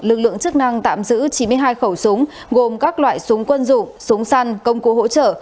lực lượng chức năng tạm giữ chín mươi hai khẩu súng gồm các loại súng quân dụng súng săn công cụ hỗ trợ